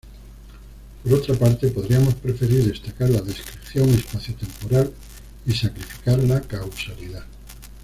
Por otra parte, podríamos preferir destacar la descripción espacio-temporal y sacrificar la causalidad.